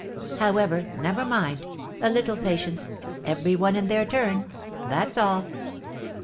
However, never mind, a little patience, 'every one in their turn,' that's all."